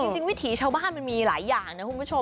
วิถีชาวบ้านมันมีหลายอย่างนะคุณผู้ชม